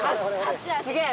すげえ！